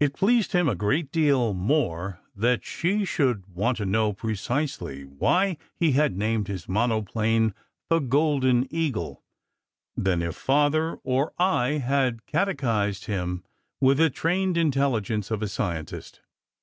It pleased him a great deal more that she 44 SECRET HISTORY should want to know precisely why he had named his mono plane the Golden Eagle than if Father or I had catechized him with the trained intelligence of a scientist.